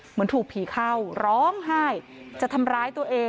เหมือนถูกผีเข้าร้องไห้จะทำร้ายตัวเอง